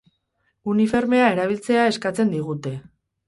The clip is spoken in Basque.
Uniformea erabiltzea eskatzen digute.